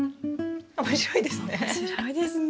面白いですね。